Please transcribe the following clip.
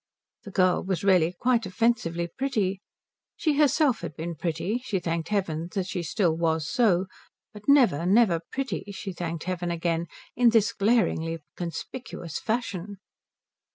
The girl was really quite offensively pretty. She herself had been pretty she thanked heaven that she still was so but never, never pretty she thanked heaven again in this glaringly conspicuous fashion.